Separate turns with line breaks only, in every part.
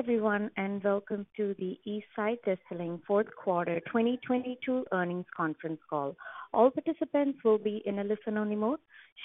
Everyone, and welcome to the Eastside Distilling Fourth Quarter 2022 Earnings Conference Call. All participants will be in a listen-only mode.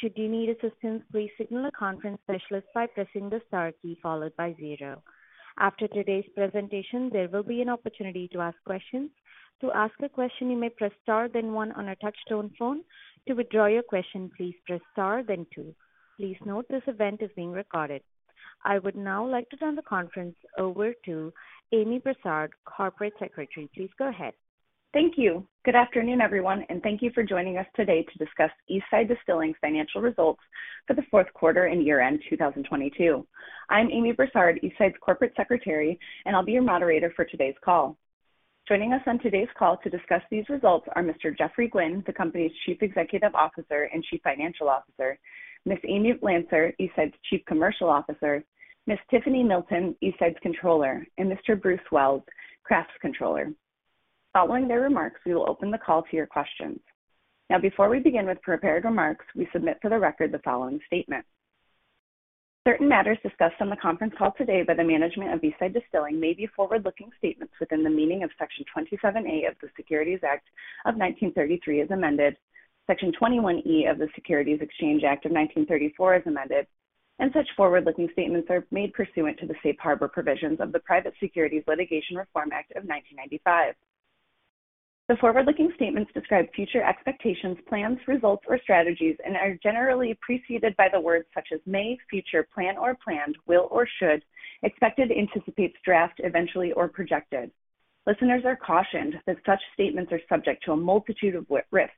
Should you need assistance, please signal a conference specialist by pressing the star key followed by zero. After today's presentation, there will be an opportunity to ask questions. To ask a question, you may press star then one on a touch-tone phone. To withdraw your question, please press Star then two. Please note this event is being recorded. I would now like to turn the conference over to Amy Brassard, Corporate Secretary. Please go ahead.
Thank you. Good afternoon, everyone, thank you for joining us today to discuss Eastside Distilling's financial results for the fourth quarter and year-end 2022. I'm Amy Brassard, Eastside's Corporate Secretary, and I'll be your moderator for today's call. Joining us on today's call to discuss these results are Mr. Geoffrey Gwin, the company's Chief Executive Officer and Chief Financial Officer, Ms. Amy Lancer, Eastside's Chief Commercial Officer, Ms. Tiffany Milton, Eastside's Controller, and Mr. Bruce Wells, Craft's Controller. Following their remarks, we will open the call to your questions. Before we begin with prepared remarks, we submit for the record the following statement. Certain matters discussed on the conference call today by the management of Eastside Distilling may be forward-looking statements within the meaning of Section 27A of the Securities Act of 1933 as amended, Section 21E of the Securities Exchange Act of 1934 as amended, and such forward-looking statements are made pursuant to the Safe Harbor Provisions of the Private Securities Litigation Reform Act of 1995. The forward-looking statements describe future expectations, plans, results, or strategies and are generally preceded by the words such as may, future, plan or planned, will or should, expected, anticipates, draft, eventually, or projected. Listeners are cautioned that such statements are subject to a multitude of risks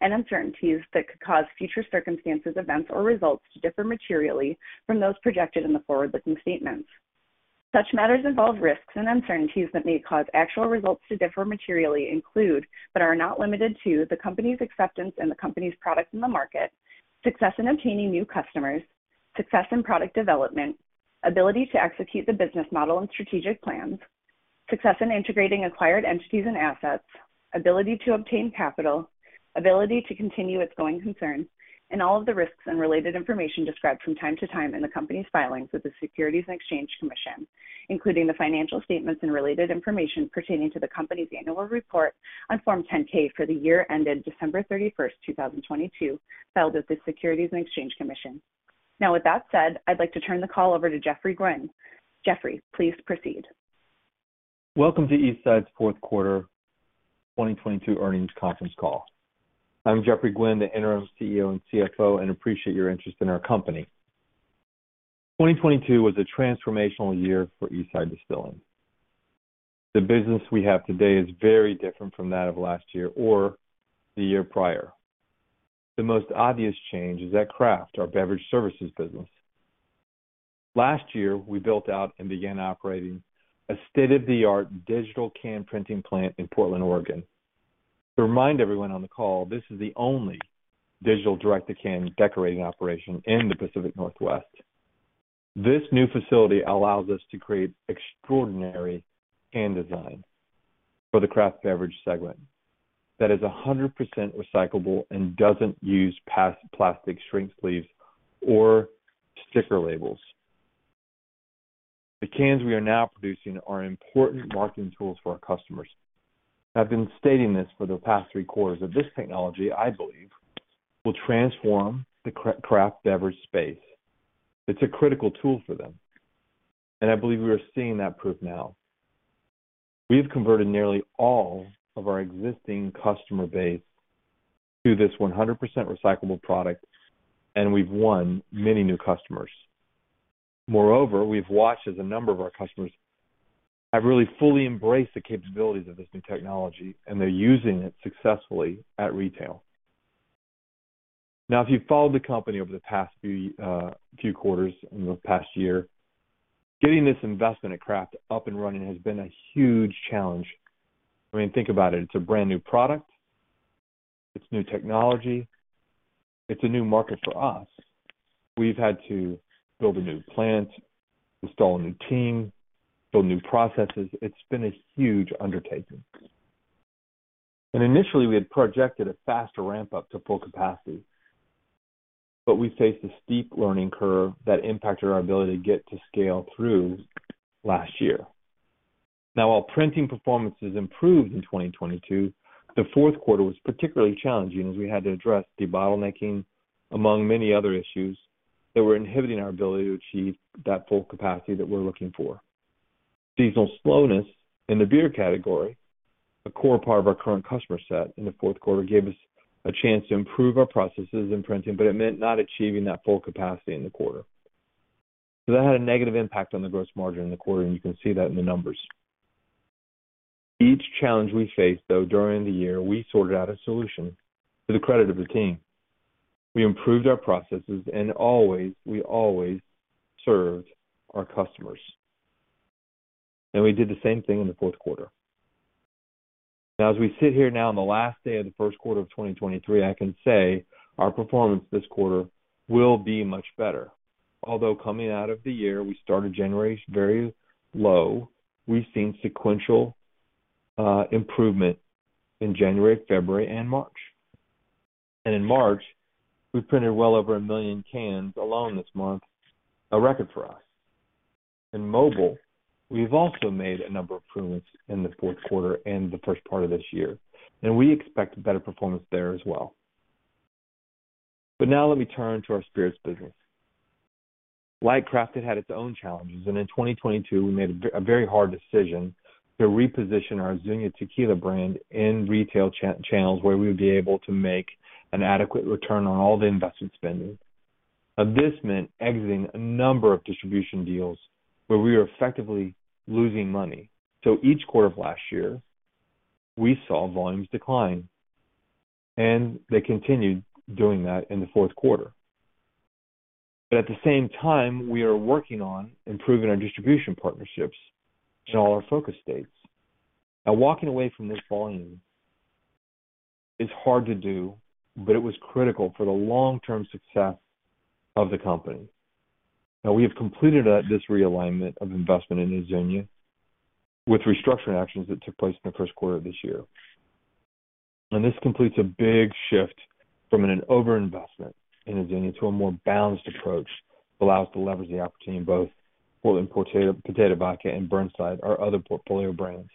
and uncertainties that could cause future circumstances, events, or results to differ materially from those projected in the forward-looking statements. Such matters involve risks and uncertainties that may cause actual results to differ materially include, but are not limited to, the company's acceptance and the company's products in the market, success in obtaining new customers, success in product development, ability to execute the business model and strategic plans, success in integrating acquired entities and assets, ability to obtain capital, ability to continue its going concern, and all of the risks and related information described from time to time in the company's filings with the Securities and Exchange Commission, including the financial statements and related information pertaining to the company's annual report on Form 10-K for the year ended December 31st, 2022, filed with the Securities and Exchange Commission. Now, with that said, I'd like to turn the call over to Geoffrey Gwin. Geoffrey, please proceed.
Welcome to Eastside's fourth quarter 2022 earnings conference call. I'm Geoffrey Gwin, the Interim CEO and CFO, and appreciate your interest in our company. 2022 was a transformational year for Eastside Distilling. The business we have today is very different from that of last year or the year prior. The most obvious change is at Craft, our beverage services business. Last year, we built out and began operating a state-of-the-art digital can printing plant in Portland, Oregon. To remind everyone on the call, this is the only digital direct-to-can decorating operation in the Pacific Northwest. This new facility allows us to create extraordinary can design for the Craft beverage segment that is 100% recyclable and doesn't use plastic shrink sleeves or sticker labels. The cans we are now producing are important marketing tools for our customers. I've been stating this for the past three quarters of this technology I believe will transform the Craft beverage space. It's a critical tool for them, and I believe we are seeing that proof now. We have converted nearly all of our existing customer base to this 100% recyclable product, and we've won many new customers. Moreover, we've watched as a number of our customers have really fully embraced the capabilities of this new technology, and they're using it successfully at retail. If you've followed the company over the past few quarters and the past year, getting this investment at Craft up and running has been a huge challenge. I mean, think about it. It's a brand-new product. It's new technology. It's a new market for us. We've had to build a new plant, install a new team, build new processes. It's been a huge undertaking. Initially, we had projected a faster ramp-up to full capacity, but we faced a steep learning curve that impacted our ability to get to scale through last year. Now, while printing performance has improved in 2022, the fourth quarter was particularly challenging as we had to address debottlenecking among many other issues that were inhibiting our ability to achieve that full capacity that we're looking for. Seasonal slowness in the beer category, a core part of our current customer set in the fourth quarter, gave us a chance to improve our processes in printing, it meant not achieving that full capacity in the quarter. That had a negative impact on the gross margin in the quarter, and you can see that in the numbers. Each challenge we faced, though, during the year, we sorted out a solution to the credit of the team. We improved our processes, and always, we always served our customers. We did the same thing in the fourth quarter. Now, as we sit here now on the last day of the first quarter of 2023, I can say our performance this quarter will be much better. Although coming out of the year, we started January very low. We've seen sequential improvement in January, February, and March. In March, we printed well over 1 million cans alone this month, a record for us. In mobile, we've also made a number of improvements in the fourth quarter and the first part of this year, and we expect better performance there as well. Now let me turn to our spirits business. Like Craft had its own challenges. In 2022, we made a very hard decision to reposition our Azuñia Tequila brand in retail channels where we would be able to make an adequate return on all the investment spending. This meant exiting a number of distribution deals where we were effectively losing money. Each quarter of last year, we saw volumes decline, and they continued doing that in Q4. At the same time, we are working on improving our distribution partnerships in all our focus states. Walking away from this volume is hard to do, but it was critical for the long-term success of the company. We have completed that, this realignment of investment in Azuñia with restructuring actions that took place in Q1 of this year. This completes a big shift from an overinvestment in Azuñia to a more balanced approach that allows to leverage the opportunity in both Portland Potato Vodka and Burnside, our other portfolio brands.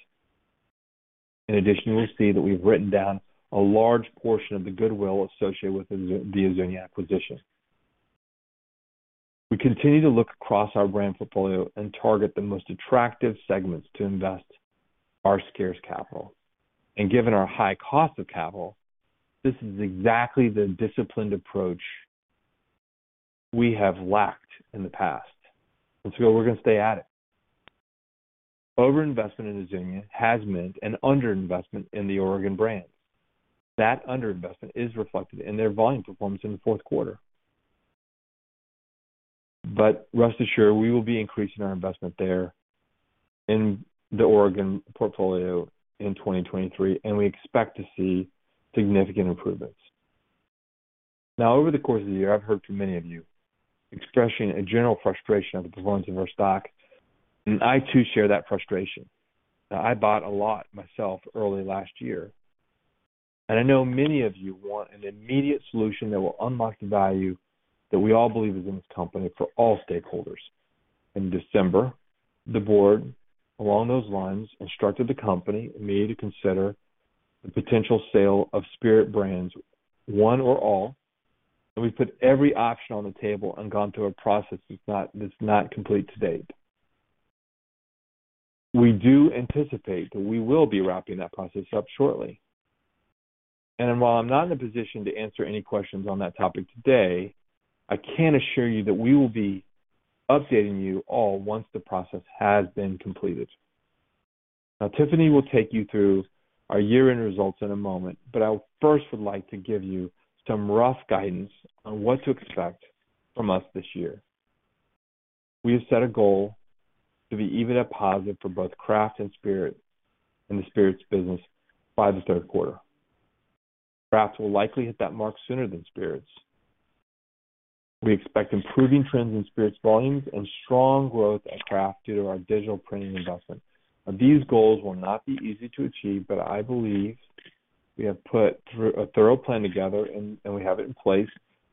In addition, you'll see that we've written down a large portion of the goodwill associated with the Azuñia acquisition. We continue to look across our brand portfolio and target the most attractive segments to invest our scarce capital. Given our high cost of capital, this is exactly the disciplined approach we have lacked in the past. We're gonna stay at it. Overinvestment in Azuñia has meant an underinvestment in the Oregon brand. That underinvestment is reflected in their volume performance in the fourth quarter. Rest assured, we will be increasing our investment there in the Oregon portfolio in 2023, and we expect to see significant improvements. Now, over the course of the year, I've heard from many of you expressing a general frustration of the performance of our stock, and I too share that frustration. Now, I bought a lot myself early last year, and I know many of you want an immediate solution that will unlock the value that we all believe is in this company for all stakeholders. In December, the board, along those lines, instructed the company and me to consider the potential sale of Spirit brands, one or all, and we've put every option on the table and gone through a process that's not complete to date. We do anticipate that we will be wrapping that process up shortly. While I'm not in a position to answer any questions on that topic today, I can assure you that we will be updating you all once the process has been completed. Tiffany will take you through our year-end results in a moment, but I first would like to give you some rough guidance on what to expect from us this year. We have set a goal to be even or positive for both Craft and Spirits in the Spirits business by the third quarter. Crafts will likely hit that mark sooner than Spirits. We expect improving trends in Spirits volumes and strong growth at Craft due to our digital printing investment. These goals will not be easy to achieve, but I believe we have put a thorough plan together and we have it in place.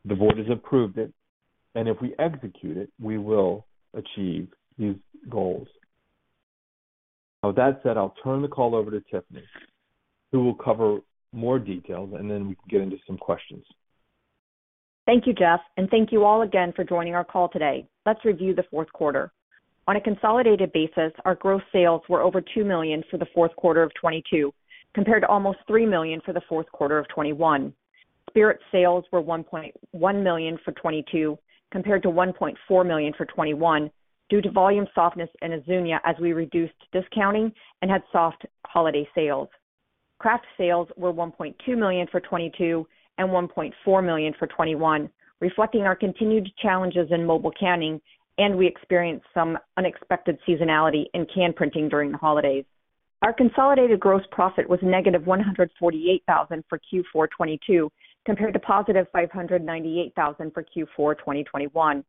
The board has approved it, and if we execute it, we will achieve these goals. With that said, I'll turn the call over to Tiffany, who will cover more details, and then we can get into some questions.
Thank you, Jeff. Thank you all again for joining our call today. Let's review the fourth quarter. On a consolidated basis, our gross sales were over $2 million for the fourth quarter of 2022, compared to almost $3 million for the fourth quarter of 2021. Spirit sales were $1.1 million for 2022, compared to $1.4 million for 2021 due to volume softness in Azuñia as we reduced discounting and had soft holiday sales. Craft sales were $1.2 million for 2022 and $1.4 million for 2021, reflecting our continued challenges in mobile canning, and we experienced some unexpected seasonality in can printing during the holidays. Our consolidated gross profit was negative $148,000 for Q4 2022, compared to positive $598,000 for Q4 2021.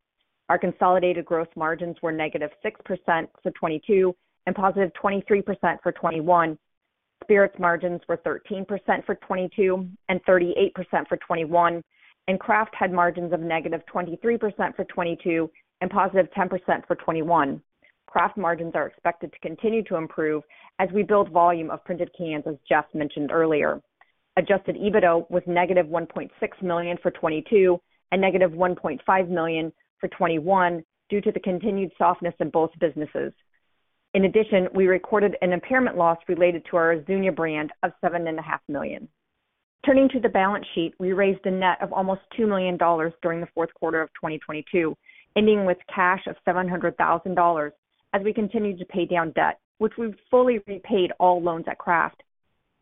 Our consolidated gross margins were -6% for 2022 and +23% for 2021. Spirits margins were 13% for 2022 and 38% for 2021. Craft had margins of -23% for 2022 and +10% for 2021. Craft margins are expected to continue to improve as we build volume of printed cans, as Jeff mentioned earlier. Adjusted EBITDA was -$1.6 million for 2022 and -$1.5 million for 2021 due to the continued softness in both businesses. In addition, we recorded an impairment loss related to our Azuñia brand of $seven and a half million. Turning to the balance sheet, we raised a net of almost $2 million during the fourth quarter of 2022, ending with cash of $700,000 as we continued to pay down debt, which we've fully repaid all loans at Craft.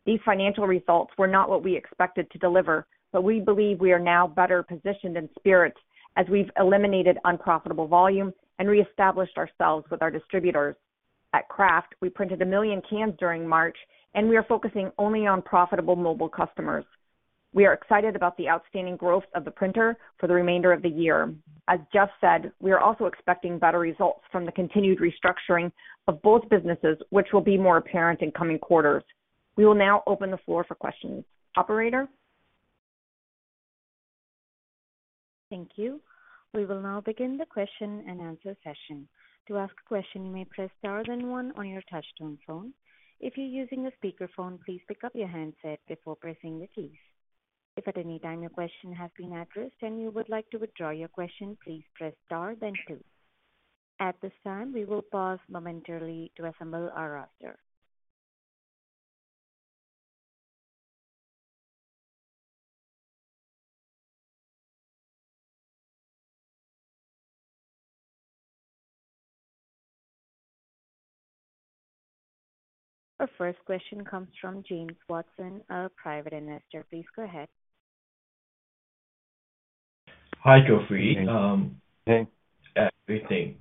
These financial results were not what we expected to deliver. We believe we are now better positioned in spirit as we've eliminated unprofitable volume and reestablished ourselves with our distributors. At Craft, we printed 1 million cans during March. We are focusing only on profitable mobile customers. We are excited about the outstanding growth of the printer for the remainder of the year. As Jeff said, we are also expecting better results from the continued restructuring of both businesses, which will be more apparent in coming quarters. We will now open the floor for questions. Operator?
Thank you. We will now begin the question and answer session. To ask a question, you may press Star then one on your touchtone phone. If you're using a speakerphone, please pick up your handset before pressing the keys. If at any time your question has been addressed and you would like to withdraw your question, please press star then two. At this time, we will pause momentarily to assemble our roster. Our first question comes from James Watson, a private investor. Please go ahead.
Hi, Geoffrey.
Hey.
Everything.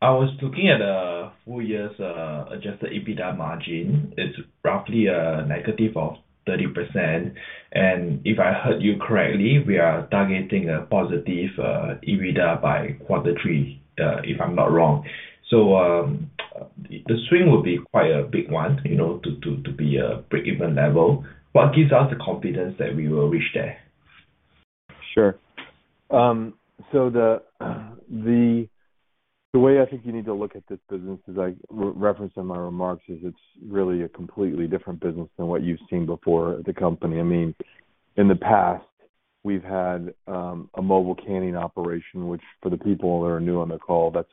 I was looking at full years Adjusted EBITDA margin. It's roughly negative of 30%. If I heard you correctly, we are targeting a positive EBITDA by quarter three, if I'm not wrong. The swing would be quite a big one, you know, to be a break-even level. What gives us the confidence that we will reach there?
Sure. The way I think you need to look at this business is I re-referenced in my remarks, is it's really a completely different business than what you've seen before the company. I mean, in the past we've had a mobile canning operation, which for the people that are new on the call, that's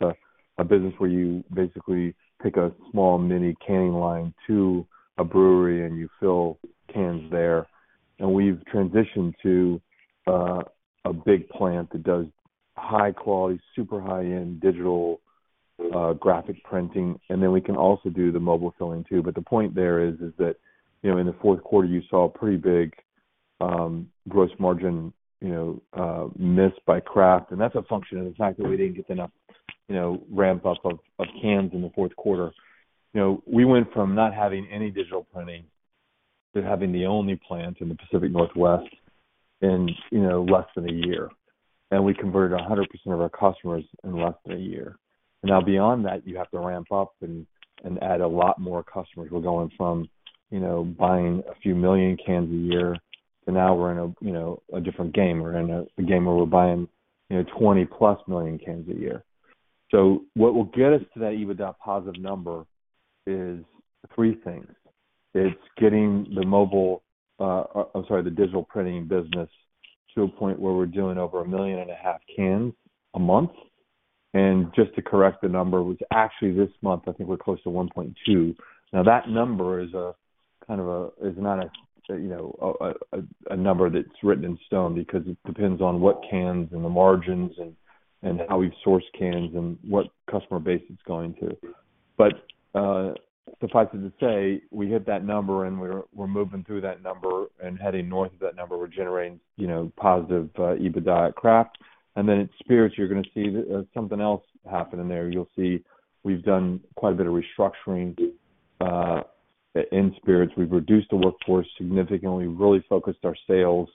a business where you basically take a small mini canning line to a brewery and you fill cans there. We've transitioned to a big plant that does high quality, super high-end digital graphic printing. Then we can also do the mobile filling too. The point there is that, you know, in the fourth quarter you saw a pretty big gross margin, you know, miss by Craft, and that's a function of the fact that we didn't get enough, you know, ramp up of cans in the fourth quarter. You know, we went from not having any digital printing to having the only plant in the Pacific Northwest in, you know, less than a year. We converted 100% of our customers in less than a year. Now, beyond that, you have to ramp up and add a lot more customers. We're going from, you know, buying a few million cans a year to now we're in a, you know, a different game. We're in a game where we're buying, you know, 20-plus million cans a year. What will get us to that EBITDA positive number is three things. It's getting the mobile digital printing business to a point where we're doing over 1.5 million cans a month. Just to correct the number, which actually this month I think we're close to 1.2. That number is a kind of a, is not a, you know, a number that's written in stone because it depends on what cans and the margins and how we source cans and what customer base it's going to. Suffice it to say, we hit that number and we're moving through that number and heading north of that number. We're generating, you know, positive EBITDA at Craft. In spirits you're gonna see something else happen in there. You'll see we've done quite a bit of restructuring in spirits. We've reduced the workforce significantly, really focused our sales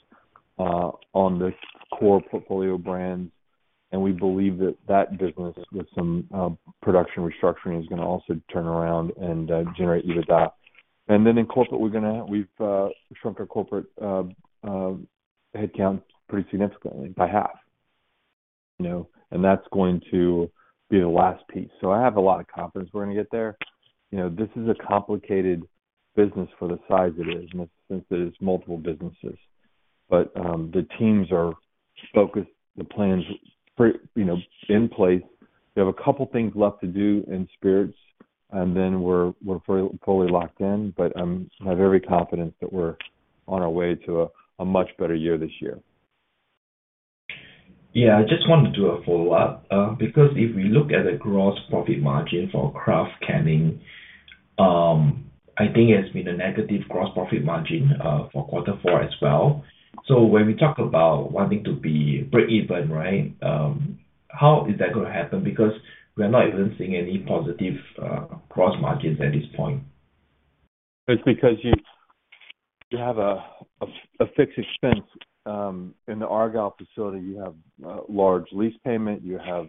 on the core portfolio brands. We believe that that business with some production restructuring is gonna also turn around and generate EBITDA. Then in corporate we've shrunk our corporate headcount pretty significantly, by half, you know, and that's going to be the last piece. I have a lot of confidence we're gonna get there. You know, this is a complicated business for the size it is in the sense that it's multiple businesses. The teams are focused, the plans, you know, in place. We have a couple of things left to do in spirits and then we're fully locked in. I'm have every confidence that we're on our way to a much better year this year.
I just wanted to do a follow-up, because if we look at the gross profit margin for Craft Canning, I think it's been a negative gross profit margin, for quarter four as well. When we talk about wanting to be break-even, right, how is that gonna happen? We're not even seeing any positive, gross margins at this point.
It's because you have a fixed expense in the Argyle facility. You have a large lease payment. You have,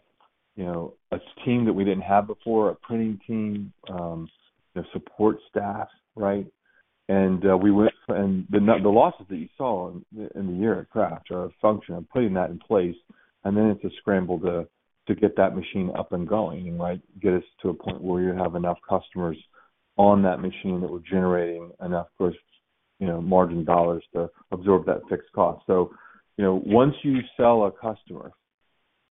you know, a team that we didn't have before, a printing team, the support staff, right? The losses that you saw in the year at Craft are a function of putting that in place. Then it's a scramble to get that machine up and going, right? Get us to a point where you have enough customers on that machine that we're generating enough gross, you know, margin dollars to absorb that fixed cost. Once you sell a customer,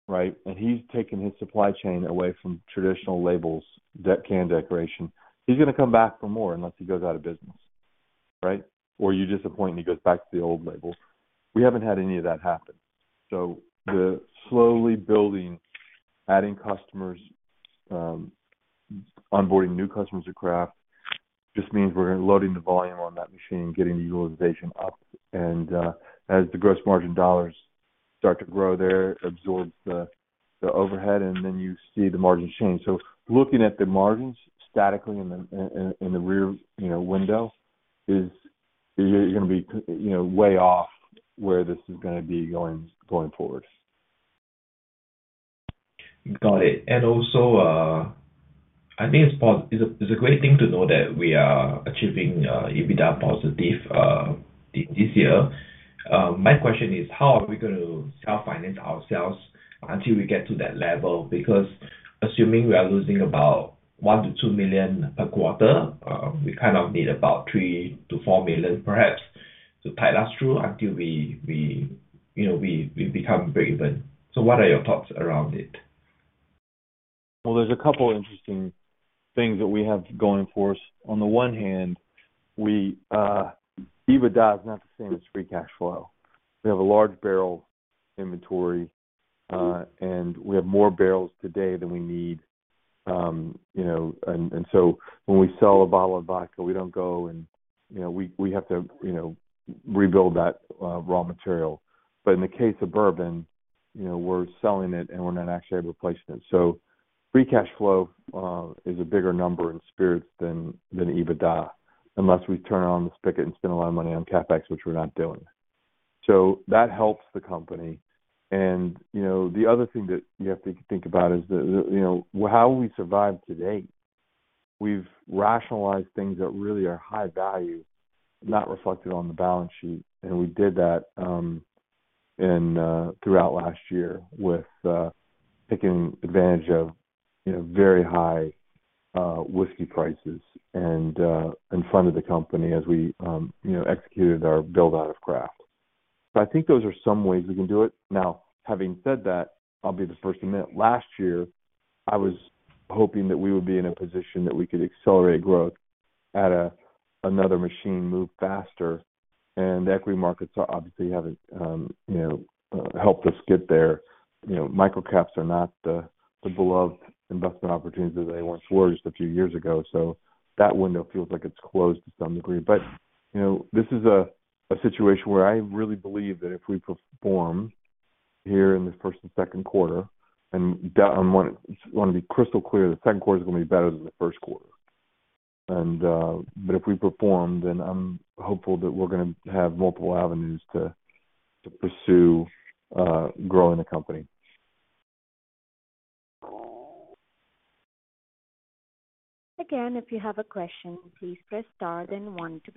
right? He's taken his supply chain away from traditional labels, that can decoration, he's gonna come back for more unless he goes out of business, right? You disappoint him, he goes back to the old label. We haven't had any of that happen. We're slowly building, adding customers, onboarding new customers to Craft. Just means we're loading the volume on that machine, getting the utilization up. As the gross margin dollars start to grow there, absorbs the overhead, and then you see the margin change. Looking at the margins statically in the rear, you know, window is gonna be, you know, way off where this is gonna be going forward.
Got it. I think it's a, it's a great thing to know that we are achieving EBITDA positive this year. My question is, how are we going to self-finance ourselves until we get to that level? Because assuming we are losing about $1 million-$2 million a quarter, we kind of need about $3 million-$4 million perhaps to tide us through until we, you know, we become breakeven. What are your thoughts around it?
Well, there's a couple interesting things that we have going for us. On the one hand, we, EBITDA is not the same as free cash flow. We have a large barrel inventory, and we have more barrels today than we need, you know. When we sell a bottle of vodka, we don't go. You know, we have to, you know, rebuild that raw material. In the case of bourbon, you know, we're selling it, and we're not actually replacing it. Free cash flow is a bigger number in spirits than EBITDA. Unless we turn on the spigot and spend a lot of money on CapEx, which we're not doing. That helps the company. You know, the other thing that you have to think about is the, you know, how we survived to date. We've rationalized things that really are high value, not reflected on the balance sheet. We did that in throughout last year with taking advantage of, you know, very high whiskey prices and funded the company as we, you know, executed our build out of craft. I think those are some ways we can do it. Having said that, I'll be the first to admit last year, I was hoping that we would be in a position that we could accelerate growth, add another machine, move faster, and the equity markets obviously haven't, you know, helped us get there. You know, microcaps are not the beloved investment opportunities they once were just a few years ago. That window feels like it's closed to some degree. You know, this is a situation where I really believe that if we perform here in the first and second quarter, and I wanna be crystal clear, the second quarter is gonna be better than the first quarter. If we perform, then I'm hopeful that we're gonna have multiple avenues to pursue growing the company.
If you have a question, please press star then one to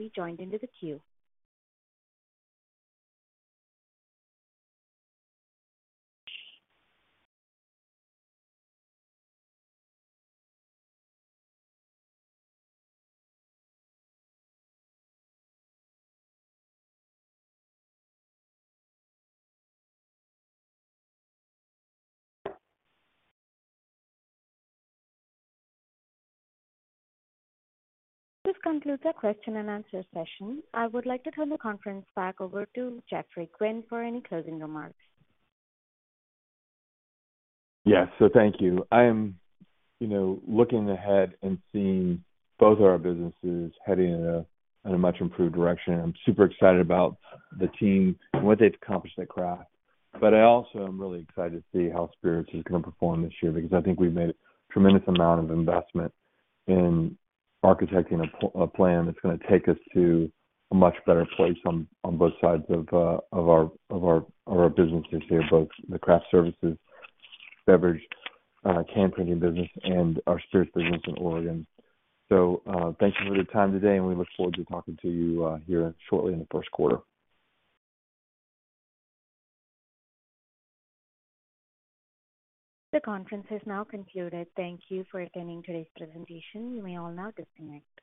be joined into the queue. This concludes our question and answer session. I would like to turn the conference back over to Geoffrey Gwin for any closing remarks.
Thank you. I am, you know, looking ahead and seeing both of our businesses heading in a much improved direction. I'm super excited about the team and what they've accomplished at Craft. I also am really excited to see how spirits is gonna perform this year because I think we've made a tremendous amount of investment in architecting a plan that's gonna take us to a much better place on both sides of our businesses here, both the Craft Services beverage can printing business and our spirits business in Oregon. Thank you for your time today, and we look forward to talking to you here shortly in the first quarter.
The conference has now concluded. Thank you for attending today's presentation. You may all now disconnect.